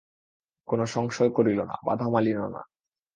কোনো সংশয় করিল না, বাধা মানিল না।